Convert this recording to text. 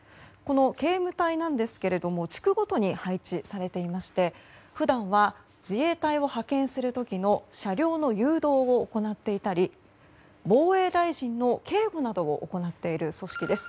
警務隊ですが地区ごとに配置されていまして普段は自衛隊を派遣する時の車両の誘導を行っていたり防衛大臣の警護などを行っている組織です。